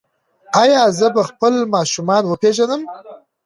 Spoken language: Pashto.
ایا زه به خپل ماشومان وپیژنم؟